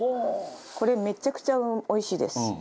これめちゃくちゃ美味しいです。